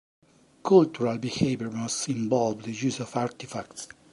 Cultural behavior must involve the use of artifacts.